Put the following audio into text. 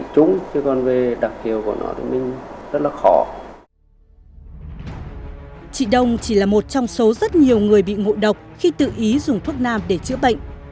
chị đồng chỉ là một trong số rất nhiều người bị ngộ độc khi tự ý dùng thuốc nam để chữa bệnh